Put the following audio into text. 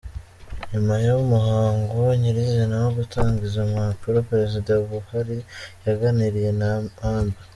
Nyuma y’umuhango nyir’izina wo gutanga izo mpapuro, Perezida Buhari yaganiriye na Amb.